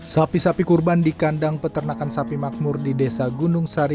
sapi sapi kurban di kandang peternakan sapi makmur di desa gunung sari